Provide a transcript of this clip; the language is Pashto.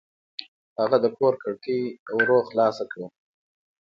هغه د کور کړکۍ ورو خلاصه کړه.